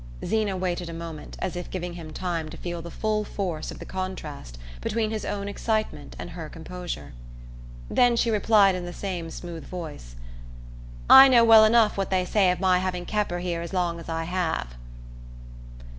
Zeena waited a moment, as if giving him time to feel the full force of the contrast between his own excitement and her composure. Then she replied in the same smooth voice: "I know well enough what they say of my having kep' her here as long as I have."